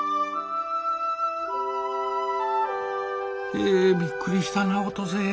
へえびっくりしたなお登勢。